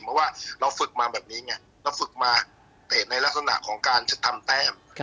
เพราะว่าเราฝึกมาแบบนี้ไงเราฝึกมาเตะในลักษณะของการจะทำแต้ม